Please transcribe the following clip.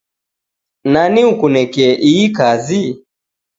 Nani ukunekee ihi kazi?